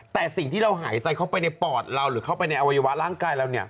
แต่สิ่งที่เราหายใจเข้าไปในปอดเราหรือเข้าไปในอวัยวะร่างกายเรา